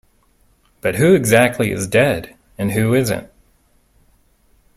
But who exactly is dead, and who isn't?